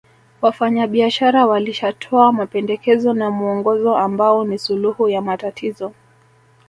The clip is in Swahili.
Wafanyabiashara walishatoa mapendekezo na muongozo ambao ni suluhu ya matatizo